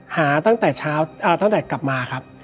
หาตั้งแต่กลับมาครับ